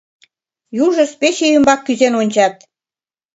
Южышт пече ӱмбак кӱзен ончат.